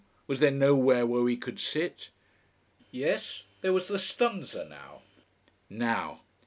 Was there nowhere where we could sit? Yes, there was the stanza now. _Now!